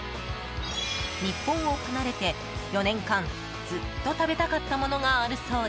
日本を離れて４年間ずっと食べたかったものがあるそうで。